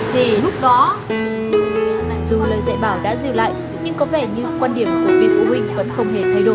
thì lúc đó dù lời dạy bảo đã dừng lại nhưng có vẻ như quan điểm của bên phụ huynh vẫn không hề thay đổi